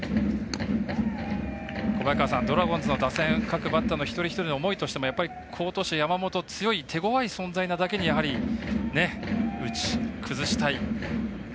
小早川さん、ドラゴンズの打線各バッターの一人一人の思いというのも好投手、山本手ごわい存在なだけに打ち崩したい。